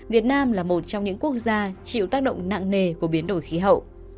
việt nam là một trong những quốc gia chịu tác động nặng nề của biến đổi khí hậu